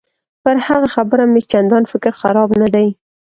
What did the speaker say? پر هغه خبره مې چندان فکر خراب نه دی.